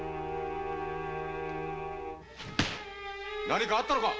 何かあったのか？